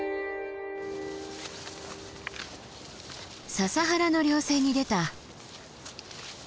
ササ原の稜線に出た。